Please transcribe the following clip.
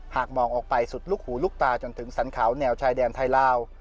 หากมองออกไปสุดลูกหูลูกตาจนถึงสรรเขาแนวชายแดนไทยลาว